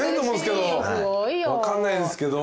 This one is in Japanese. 分かんないですけど。